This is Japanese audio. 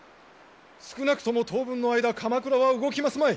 少なくとも当分の間鎌倉は動きますまい！